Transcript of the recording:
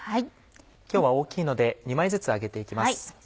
今日は大きいので２枚ずつ揚げて行きます。